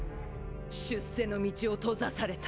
出世の道を閉ざされた。